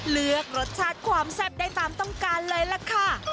เลือกรสชาติความแซ่บได้ตามต้องการเลยล่ะค่ะ